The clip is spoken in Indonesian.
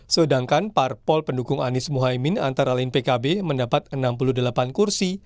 sedangkan parpol pendukung anies mohaimin antara lain pkb mendapat enam puluh delapan kursi